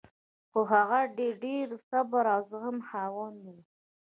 خو هغه د ډېر صبر او زغم خاوند و